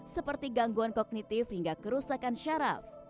seperti gangguan kognitif hingga kerusakan syaraf